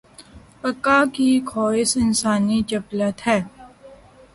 بقا کی خواہش انسانی جبلت ہے۔